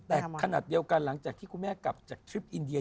แต่ขนาดเดียวกันหลังจากที่คุณแม่กลับจากทริปอินเดีย